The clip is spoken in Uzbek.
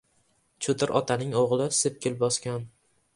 • Cho‘tir otaning o‘g‘li sepkil bosgan.